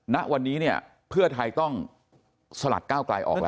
ณวันนี้เนี่ยเพื่อไทยต้องสลัดก้าวไกลออกแล้ว